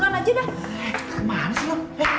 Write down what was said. bela bela bela